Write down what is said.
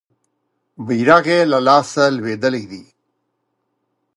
بیرغ یې له لاسه لویدلی دی.